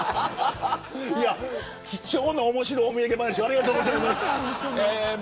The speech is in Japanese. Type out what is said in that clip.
貴重な、おもしろお土産話ありがとうございます。